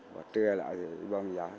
và trưa lại thì ủy ban nhân dân trả